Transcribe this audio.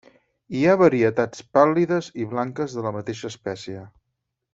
Hi ha varietats pàl·lides i blanques de la mateixa espècie.